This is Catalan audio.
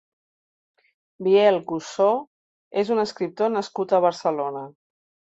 Biel Cussó és un escriptor nascut a Barcelona.